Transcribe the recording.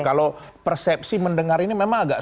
kalau persepsi mendengar ini memang agak